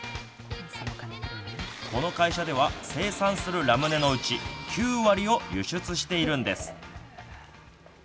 この会社では生産するラムネのうち９割を輸出しているんです。